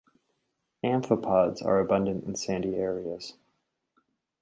Amphipods are abundant in sandy areas.